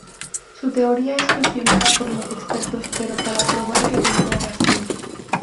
Su teoría es cuestionada por los expertos pero para probar que tenía razón.